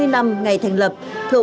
bốn mươi năm ngày thành lập thừa